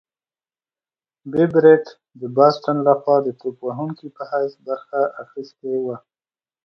بېب رت د باسټن لخوا د توپ وهونکي په حیث برخه اخیستې وه.